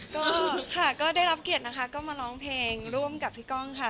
ก็ค่ะก็ได้รับเกียรตินะคะก็มาร้องเพลงร่วมกับพี่ก้องค่ะ